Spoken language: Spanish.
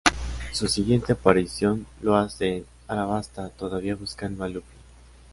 Su siguiente aparición la hace en Arabasta, todavía buscando a Luffy.